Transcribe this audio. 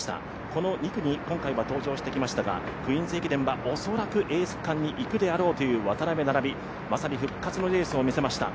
この２区に今回は登場してきましたがクイーンズ駅伝はおそらくエース区間にいくであろうという渡邊菜々美、まさに復活のレースを見せました。